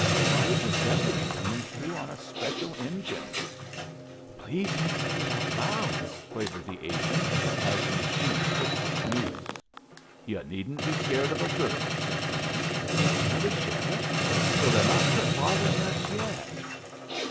Why is a deputy coming through on a special engine?" "Please don't say it out loud!" quavered the agent, as the machine clicked its news. "Yu' needn't be scared of a girl," said Lin. "Another sheriff! So they're not quit bothering us yet."